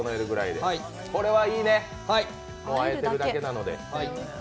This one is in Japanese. これはいいね、もう和えてるだけなので。